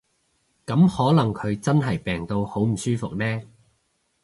噉可能佢真係病到好唔舒服呢